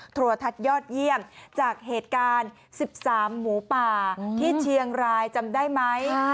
โทรทัศน์ยอดเยี่ยมจากเหตุการณ์๑๓หมูป่าที่เชียงรายจำได้ไหม